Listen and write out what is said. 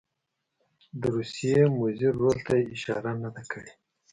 د روسیې مضر رول ته یې اشاره نه ده کړې.